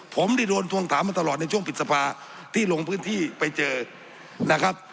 ผมได้โดนทวงถามมาตลอดในช่วงปิดสภาที่ลงพื้นที่ไปเจอนะครับ